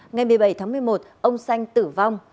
ngày một mươi bảy tháng một mươi một ông xanh tử vong